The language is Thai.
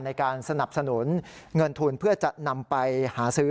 ในการสนับสนุนเงินทุนเพื่อจะนำไปหาซื้อ